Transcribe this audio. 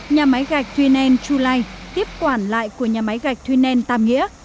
nhà máy gạch thuy nen chu lai tiếp quản lại của nhà máy gạch thuy nen tam nghĩa